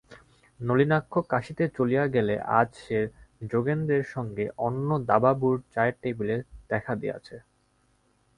নলিনাক্ষ কাশীতে চলিয়া গেলে আজ সে যোগেন্দ্রের সঙ্গে অন্নদাবাবুর চায়ের টেবিলে দেখা দিয়াছে।